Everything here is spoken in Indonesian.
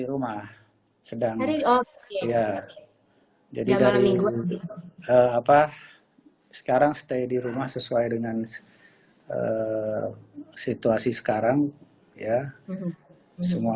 rumah sedang ya jadi dari apa sekarang stay di rumah sesuai dengan situasi sekarang ya semua